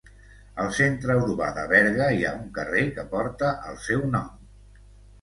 Al centre urbà de Berga hi ha un carrer que porta el seu nom.